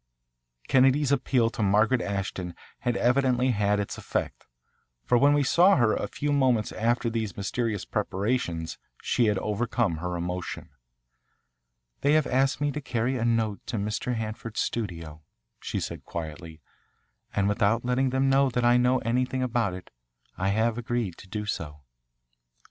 Kennedy's appeal to Margaret Ashton had evidently had its effect, for when we saw her a few moments after these mysterious preparations she had overcome her emotion. "They have asked me to carry a note to Mr. Hanford's studio," she said quietly, "and without letting them know that I know anything about it I have agreed to do so."